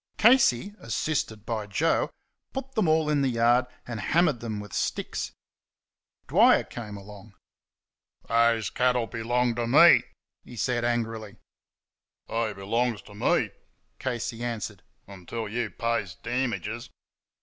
Casey, assisted by Joe, put them all in the yard, and hammered them with sticks. Dwyer came along. "Those cattle belong to me," he said angrily. "They belongs t' ME," Casey answered, "until you pay damages."